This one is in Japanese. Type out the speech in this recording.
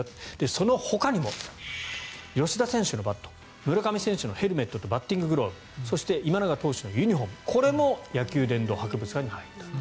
そのほかにも、吉田選手のバット村上選手のヘルメットとバッティンググローブそして今永投手のユニホームこれも野球殿堂博物館に入ったと。